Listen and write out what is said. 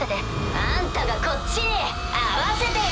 あんたがこっちに合わせてよ！